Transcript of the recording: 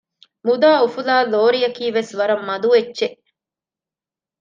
މުދާ އުފުލާ ލޯރިއަކީ ވެސް ވަރަށް މަދު އެއްޗެއް